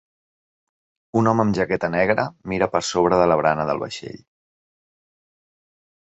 Un home amb jaqueta negra mira per sobre de la barana del vaixell.